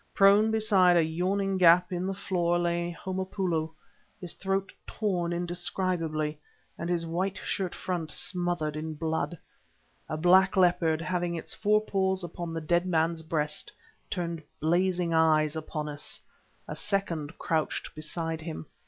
Prone beside a yawning gap in the floor lay Homopoulo, his throat torn indescribably and his white shirt front smothered in blood. A black leopard, having its fore paws upon the dead man's breast, turned blazing eyes upon us; a second crouched beside him.